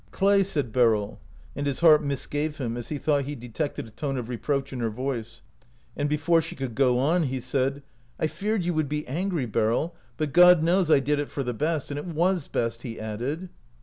" Clay," said Beryl, and his heart misgave him, as he thought he detected a tone of re proach in her voice ; and before she could go on he said : 172 OUT OF BOHEMIA " I feared you would be angry, Beryl, but God knows I did it for the best ; and it was best," he added.